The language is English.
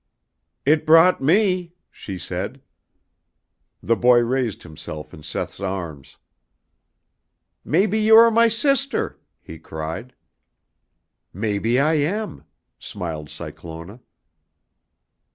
"It brought me," she said. The boy raised himself in Seth's arms. "Maybe you are my sister!" he cried. "Maybe I am," smiled Cyclona.